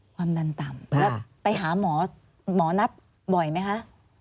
ความดันต่ำแล้วไปหาหมอหมอนัดบ่อยไหมคะ